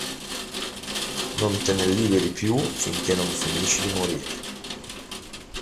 Non te ne liberi più finché non finisci di morire.